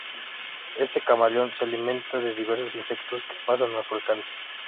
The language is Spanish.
Este camaleón se alimenta de diversos insectos que pasan a su alcance.